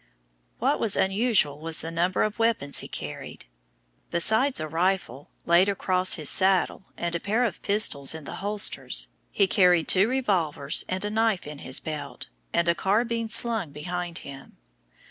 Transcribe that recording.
What was unusual was the number of weapons he carried. Besides a rifle laid across his saddle and a pair of pistols in the holsters, he carried two revolvers and a knife in his belt, and a carbine slung behind him.